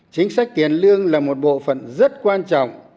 chính sách tiền lương là một bộ phận rất quan trọng